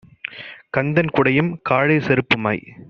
கந்தன், குடையும் காலிற் செருப்புமாய்